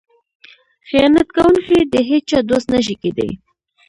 خیانت کوونکی د هیچا دوست نشي کیدی.